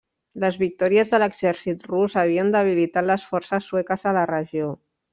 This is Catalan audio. Les victòries de l'exèrcit rus havien debilitat les forces sueques a la regió.